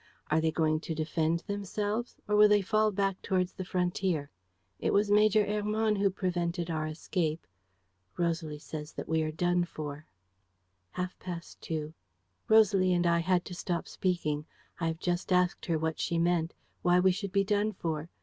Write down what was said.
Are they going to defend themselves, or will they fall back towards the frontier? ... It was Major Hermann who prevented our escape. Rosalie says that we are done for. ... "Half past two. "Rosalie and I had to stop speaking. I have just asked her what she meant, why we should be done for.